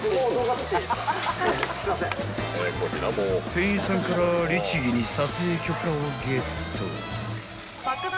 ［店員さんから律義に撮影許可をゲット］爆弾